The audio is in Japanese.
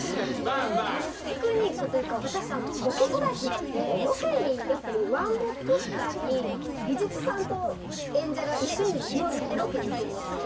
テクニックというか、私、ロケ育ちなんで、ロケに、ワンボックスカーに、技術さんと演者さんが一緒に乗ってロケに行くんですよ。